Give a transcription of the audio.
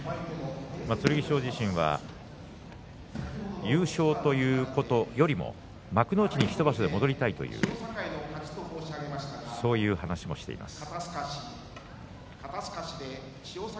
剣翔自身は優勝ということよりも幕内に１場所で戻りたいという話をしています。